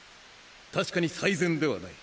確かに最善ではない！